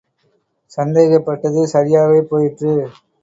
சந்தேகப் பட்டது சரியாகவே போயிற்று.